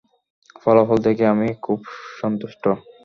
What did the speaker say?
ফলাফল দেখে আমি খুব সন্তুষ্ট।